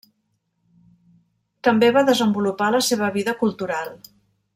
També va desenvolupar la seva vida cultural.